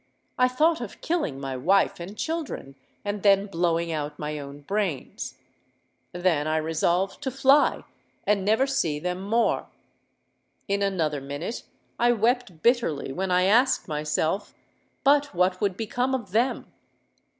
I thought of killing my wife and children, and then blowing out my own brains. Then I resolved to fly—and never see them more. In another minute I wept bitterly when I asked myself, 'But what would become of them?'